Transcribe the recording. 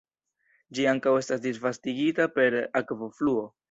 Ĝi ankaŭ estas disvastigita per akvofluo.